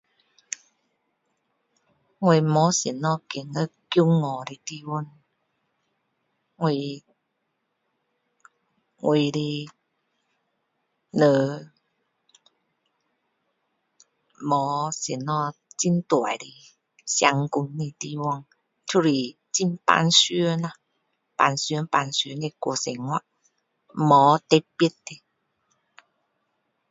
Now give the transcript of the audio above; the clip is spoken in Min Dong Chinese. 我没有什么觉得骄傲的地方我我的人没什么很大的成功的地方都是很平常啦平常平常的过生活